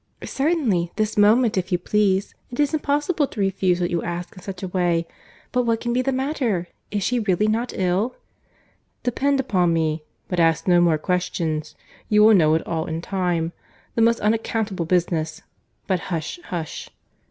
"Certainly. This moment, if you please. It is impossible to refuse what you ask in such a way. But what can be the matter?—Is she really not ill?" "Depend upon me—but ask no more questions. You will know it all in time. The most unaccountable business! But hush, hush!"